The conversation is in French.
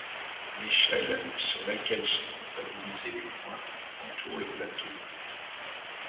L'échelle, sur laquelle sont comptabilisés les points, entoure le plateau.